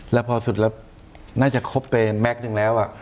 แล้วพอสุดแล้วน่าจะครบเป็นแม็กซ์นึงแล้วอ่ะ